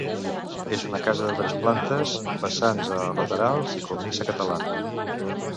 És una casa de tres plantes, vessants a laterals i cornisa catalana.